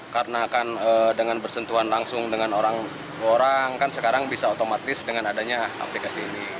karena kan dengan bersentuhan langsung dengan orang orang kan sekarang bisa otomatis dengan adanya aplikasi ini